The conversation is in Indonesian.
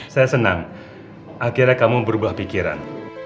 saya senang akhirnya kamu berubah pikiran